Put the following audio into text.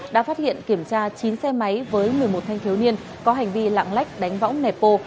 đã phát hiện kiểm tra chín xe máy với một mươi một thanh thiếu niên có hành vi lạng lách đánh võng nẹp bô